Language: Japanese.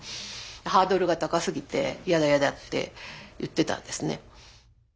ハードルが高すぎてやだやだって言ってたんですね。